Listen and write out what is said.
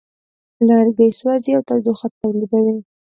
لرګی سوځي او تودوخه تولیدوي.